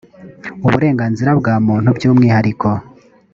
uburenganzira bwa muntu by umwihariko